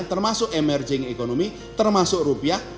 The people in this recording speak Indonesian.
termasuk emerging economy termasuk rupiah